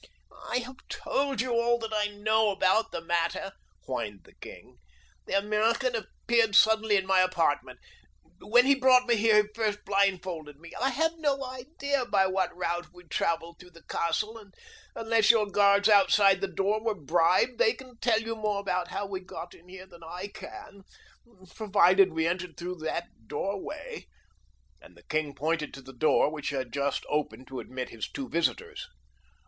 "I have told you all that I know about the matter," whined the king. "The American appeared suddenly in my apartment. When he brought me here he first blindfolded me. I have no idea by what route we traveled through the castle, and unless your guards outside this door were bribed they can tell you more about how we got in here than I can—provided we entered through that doorway," and the king pointed to the door which had just opened to admit his two visitors.